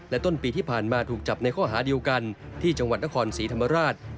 ต้นปีที่ผ่านมาถูกจับในข้อหาเดียวกันที่จังหวัดนครศรีธรรมราช